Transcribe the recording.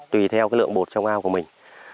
tùy theo cái lượng bột trong ao của mình